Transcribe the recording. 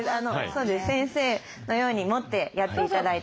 先生のように持ってやって頂いて。